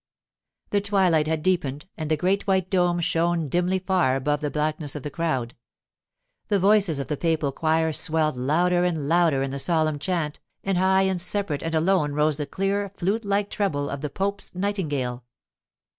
The twilight had deepened, and the great white dome shone dimly far above the blackness of the crowd. The voices of the papal choir swelled louder and louder in the solemn chant, and high and separate and alone rose the clear, flute like treble of the 'Pope's Nightingale.